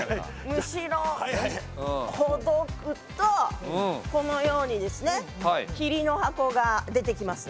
むしろをほどくとこのようにですね桐の箱が出てきます。